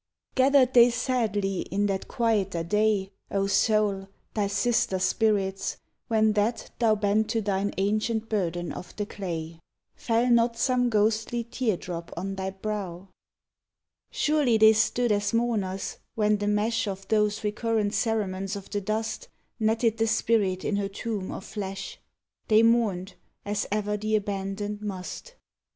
Gathered they sadly in that quieter day, O soul! thy sister spirits, when that thou Bent to thine ancient burden of the clay? Fell not some ghostly tear drop on thy brow? Surely they stood as mourners, when the mesh Of those recurrent cerements of the dust Netted the spirit in her tomb of flesh. They mourned, as ever the abandoned must.